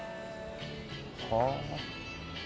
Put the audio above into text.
はあ。